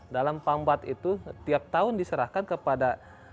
dalam pambat itu tiap tahun diserahkan kepada